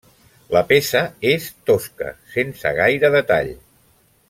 La peça és tosca, sense gaire detall.